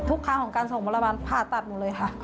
ทุกครั้งของการส่งบริบาลผ่าตัดเลยค่ะ